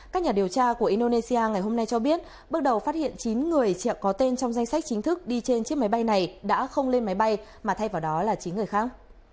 các nhà điều tra của indonesia ngày hôm nay cho biết bước đầu phát hiện chín người có tên trong danh sách chính thức đi trên chiếc máy bay này đã không lên máy bay mà thay vào đó là chính người khác